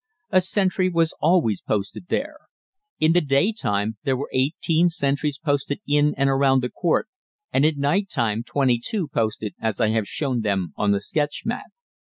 A sentry was always posted there. In the day time there were eighteen sentries posted in and around the court, and at night time twenty two posted as I have shown them on the sketch map.